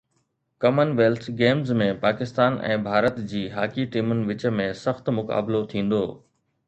ڪمن wealth Games ۾ Pakistan ۽ Bharat جي hockey ٽيمن وچ ۾ سخت مقابلو ٿيندو